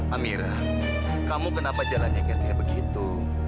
amira kamu kenapa jalannya kayak begitu